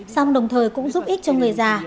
xong đồng thời cũng giúp ích cho người già